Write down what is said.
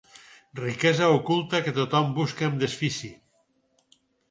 Riquesa oculta que tothom busca amb desfici.